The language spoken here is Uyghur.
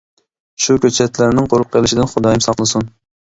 شۇ كۆچەتلەرنىڭ قۇرۇپ قېلىشىدىن خۇدايىم ساقلىسۇن!